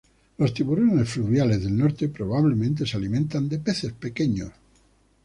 Los tiburones fluviales del norte probablemente se alimentan de peces pequeños.